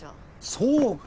そうか。